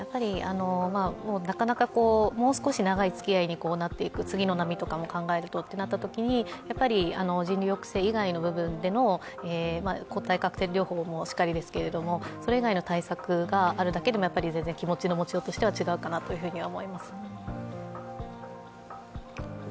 なかなかもう少し長いつきあいになっていく、次の波とかも考えるととなったときに人流抑制以外の部分での抗体カクテル療法もしかりですがそれ以外の対策があるだけでも全然、気持ちの持ちようとしては違うかなと思います。